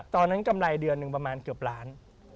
กำไรเดือนหนึ่งประมาณเกือบล้าน